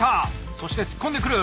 そして突っ込んでくる。